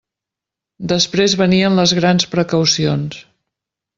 Després venien les grans precaucions.